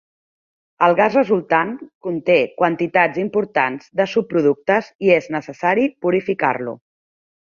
El gas resultant conté quantitats importants de subproductes i és necessari purificar-lo.